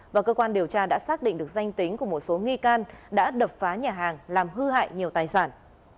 và cơ quan điều tra đã xác định được danh tính của một số nghi can đã đập phá nhà hàng làm hư hại nhiều tài sản